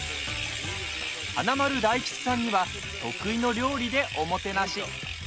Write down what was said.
華丸・大吉さんには得意の料理でおもてなし。